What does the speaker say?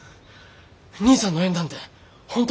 兄さんの縁談て本当